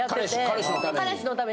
彼氏彼氏のために？